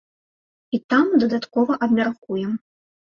І там дадаткова абмяркуем.